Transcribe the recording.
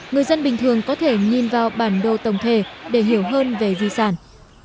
người dân bình thường có thể nhìn vào bản đồ tổng thể để hiểu hơn về di sản